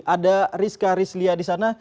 ada rizka rizlia di sana